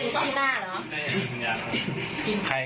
ใครเป็นคนทุศ